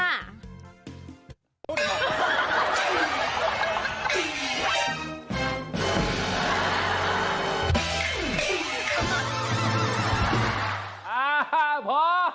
อ่าพอ